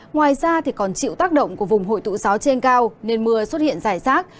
ngoài ra còn chịu tác động của vùng hội tụ gió trên cao nên mưa xuất hiện rải rác